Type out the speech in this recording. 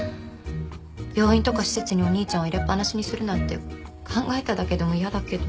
病院とか施設にお兄ちゃんを入れっぱなしにするなんて考えただけでも嫌だけど。